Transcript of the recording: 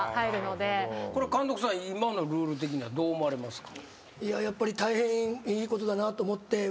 監督さん今のルール的にはどう思われますか？